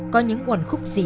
có những quần khúc gì